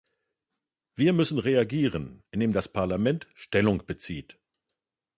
Wir müssen reagieren, indem das Parlament Stellung bezieht.